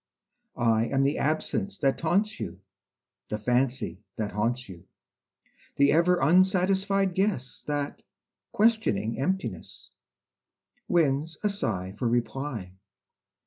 I am the absence that taunts you, The fancy that haunts you; The ever unsatisfied guess That, questioning emptiness, Wins a sigh for reply.